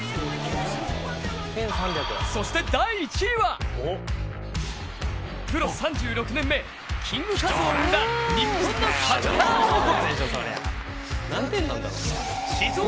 そして第１位は、プロ３６年目、キングカズを生んだ日本のサッカー王国。